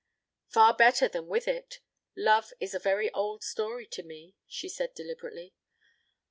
"Far better than with it. Love is a very old story to me," she said deliberately.